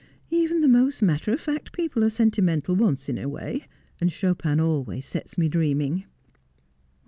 Even the most matter of fact people are sentimental once in a way, and Chopin always sets me dreaming.'